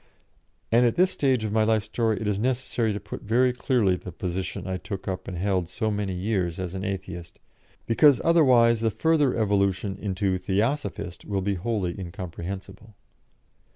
And at this stage of my life story, it is necessary to put very clearly the position I took up and held so many years as Atheist, because otherwise the further evolution into Theosophist will be wholly incomprehensible.